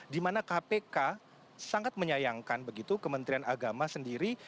dimana kpk sangat menyayangkan begitu kementerian agama sendiri